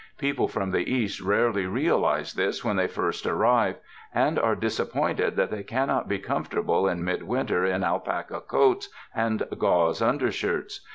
People from the East rarely realize this when they first arrive, and are disappointed that they cannot be comfortable in midwinter in alpaca coats and gauze undershirts.